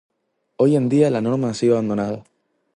Hoy en día la norma ha sido abandonada.